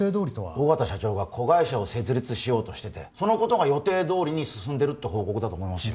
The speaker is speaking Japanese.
緒方社長が子会社を設立しようとしててそのことが予定通りに進んでるって報告だと思いますよ